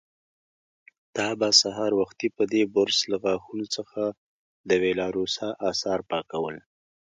تا به سهار وختي په دې برس له غاښونو څخه د وېلاروسا آثار پاکول.